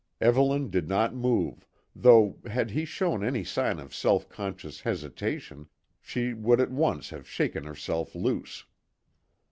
Evelyn did not move, though had he shown any sign of self conscious hesitation she would at once have shaken herself loose.